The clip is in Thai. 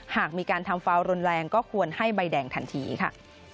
หากมีการทำฟาวรุนแรงก็ควรให้ใบแดงทันทีค่ะ